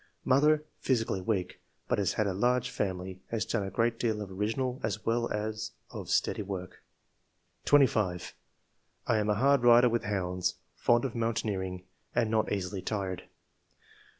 Mother — Physically weak, but has had a large family ; has done a great deal of original as well as of steady work." 25. '* I am a hard rider with hounds, fond of mountaineering, and not easily tired. 90 ENGLISH MEN OF SCIENCE.